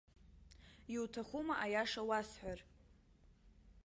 Иуҭахума аиаша уасҳәар?